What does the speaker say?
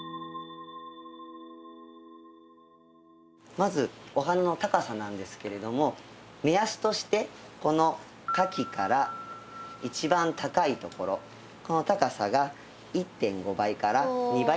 まずお花の高さなんですけれども目安としてこの花器から一番高いところこの高さが１．５倍から２倍ぐらい。